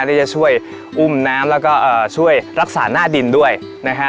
ที่จะช่วยอุ้มน้ำแล้วก็ช่วยรักษาหน้าดินด้วยนะฮะ